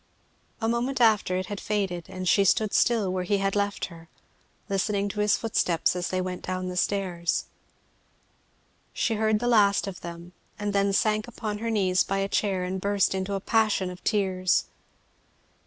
A moment after it had faded, and she stood still where he had left her, listening to his footsteps as they went down the stairs. She heard the last of them, and then sank upon her knees by a chair and burst into a passion of tears.